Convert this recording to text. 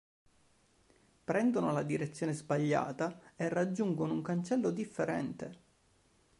Prendono la direzione sbagliata e raggiungono un cancello differente.